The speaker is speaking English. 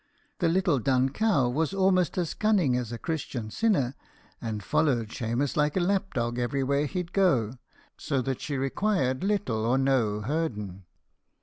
The little dun cow was a'most as cunning as a Christian sinner, and followed Shemus like a lap dog everywhere he'd go, so that she required little or no herden.